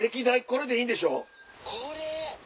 これでいいんでしょ？